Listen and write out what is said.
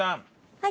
はい。